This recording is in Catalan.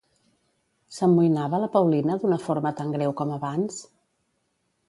S'amoïnava la Paulina d'una forma tan greu com abans?